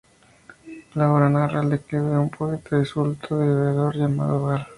La obra narra el declive de un poeta disoluto y bebedor llamado Baal.